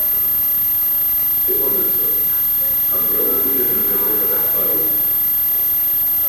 Дыҟанаҵы, абра лгәы дамыргаӡакәа даҳбароуп.